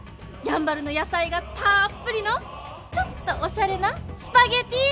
やんばるの野菜がたっぷりのちょっとおしゃれなスパゲッティ！